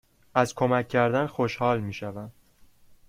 از کمک کردن خوشحال می شوم.